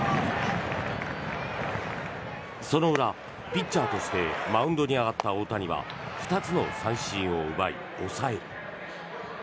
その裏、ピッチャーとしてマウンドに上がった大谷は２つの三振を奪い、抑える。